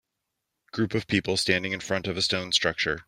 Group of people standing in front of a stone structure.